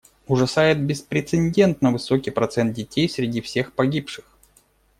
Ужасает беспрецедентно высокий процент детей среди всех погибших.